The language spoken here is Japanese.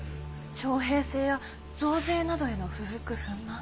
徴兵制や増税などへの不服不満。